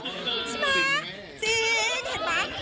ใช่ปะจริงเห็นปะ